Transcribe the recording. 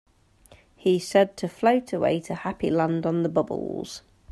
He said to float away to Happy Land on the bubbles.